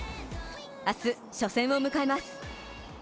明日、初戦を迎えます。